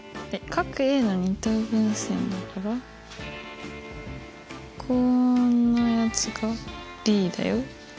Ａの二等分線だからこんなやつがＤだよ。